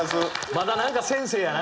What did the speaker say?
まだなんか先生やな。